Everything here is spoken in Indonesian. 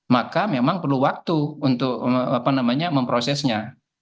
maka memang perlu waktu untuk memprosesnya